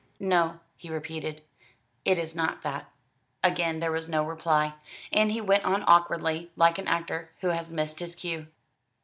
"No," he repeated, "it is not that." Again there was no reply; and he went on awkwardly, like an actor who has missed his cue.